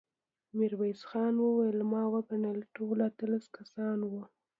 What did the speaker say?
ميرويس خان وويل: ما وګڼل، ټول اتلس کسان وو.